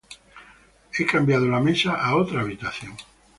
He cambiado la mesa a otra habitación.